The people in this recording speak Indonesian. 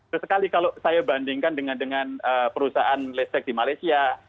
sesekali kalau saya bandingkan dengan perusahaan listrik di malaysia